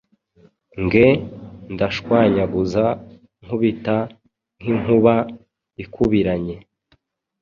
nge ndashwanyaguza nkubita nk’inkuba ikubiranye...